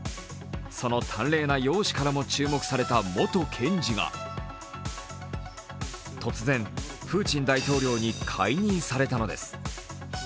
その端麗な容姿からも注目された元検事が突然、プーチン大統領に解任されたのです。